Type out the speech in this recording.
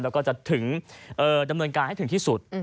แล้วก็จะถึงดำเนินการให้ถึงที่สุด